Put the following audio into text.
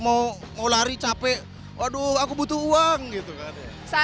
mau lari capek waduh aku butuh uang gitu kan